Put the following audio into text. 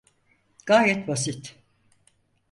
Gayet basit.